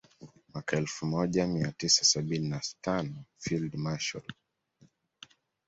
Mwaka elfu moja mia tisa sabini na tano Field Marshal